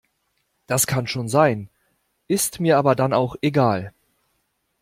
Das kann schon sein, ist mir dann aber auch egal.